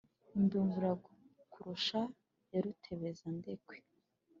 Imbimbura kurusha ya Rutebezandekwe